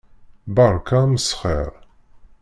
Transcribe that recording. Berka amesxer.